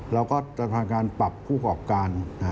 เราก็จะทำการปรับผู้กรอบการ